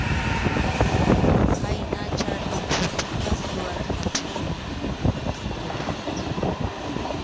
Khaynan chay ukhupiqa suwarqapusunkiku.